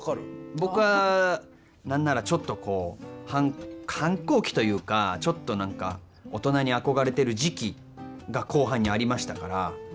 僕は何ならちょっと反抗期というかちょっと、なんか大人に憧れてる時期が後半にありましたから。